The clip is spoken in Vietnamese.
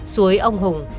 suối ông hùng